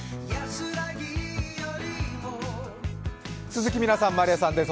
鈴木みなさんまりあさんです。